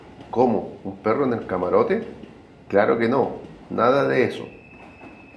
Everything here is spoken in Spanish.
como un perro en el camarote . claro que no , nada de eso .